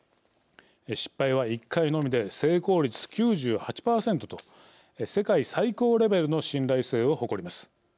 失敗は１回のみで成功率９８％と世界最高レベルの信頼性を誇ります。